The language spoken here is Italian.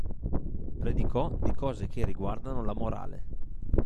Predicò di cose che riguardano la morale.